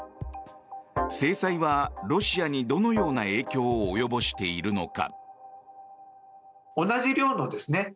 制裁はロシアに、どのような影響を及ぼしているのか。